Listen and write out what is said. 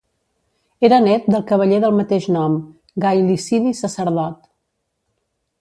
Era nét del cavaller del mateix nom, Gai Licini Sacerdot.